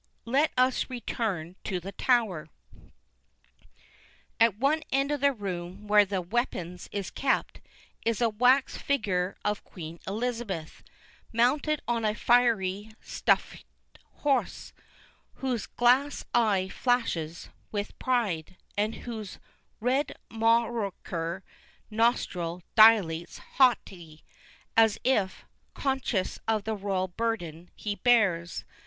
Let us return to the Tower. At one end of the room where the weppins is kept, is a wax figger of Queen Elizabeth, mounted on a fiery stuffed hoss, whose glass eye flashes with pride, and whose red morocker nostril dilates hawtily, as if, conscious of the royal burden he bears.